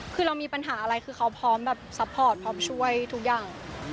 คือเรามีปัญหาอะไรคือเขาพร้อมแบบซัพพอร์ตพร้อมช่วยทุกอย่าง